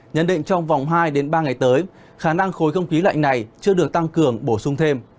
nhận định trong vòng hai ba ngày tới khả năng khối không khí lạnh này chưa được tăng cường bổ sung thêm